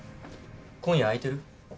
今夜空いてる？